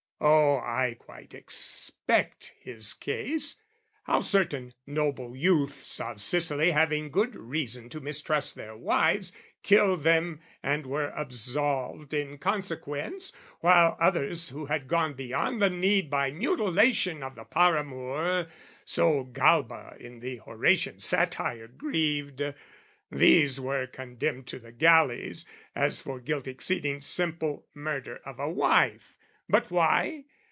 Oh, I quite expect his case How certain noble youths of Sicily Having good reason to mistrust their wives, Killed them and were absolved in consequence: While others who had gone beyond the need By mutilation of the paramour (So Galba in the Horatian satire grieved) These were condemned to the galleys, as for guilt Exceeding simple murder of a wife. But why?